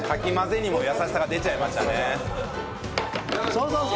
そうそうそう！